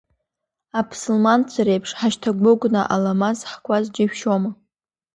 Аԥсылманцәа реиԥш ҳашьҭагәыгәны аламаз ҳкуаз џьышәшьома…